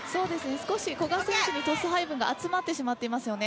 少し、古賀選手にトス配分が集まっていますよね。